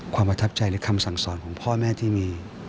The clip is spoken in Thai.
ความประทับใจและคำสั่งสอนของพ่อแม่ที่มี